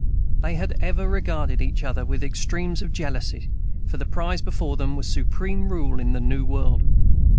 They had ever regarded each other with extreme jealousy, for the prize before them was supreme rule in the New World.